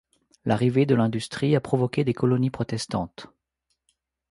L'arrivée de l'industrie a provoqué des colonies protestantes.